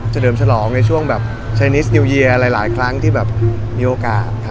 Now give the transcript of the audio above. เลิมฉลองในช่วงแบบชายนิสนิวเยียร์หลายครั้งที่แบบมีโอกาส